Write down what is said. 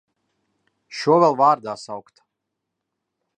Šo vēl vārdā saukt!